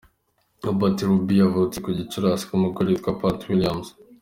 Robert Robbie yavutse ku ya Gicurasi , ku mugore witwa Pat Williams ;.